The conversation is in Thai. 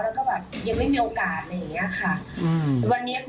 แล้วก็แบบยังไม่มีโอกาสอะไรอย่างนี้ค่ะ